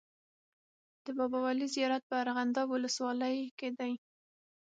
د بابا ولي زیارت په ارغنداب ولسوالۍ کي دی.